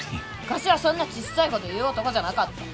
昔はそんなちっさいこと言う男じゃなかった。